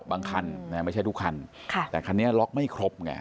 คันไม่ใช่ทุกคันแต่คันนี้ล็อกไม่ครบไง